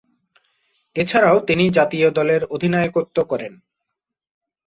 এছাড়াও তিনি জাতীয় দলের অধিনায়কত্ব করেন।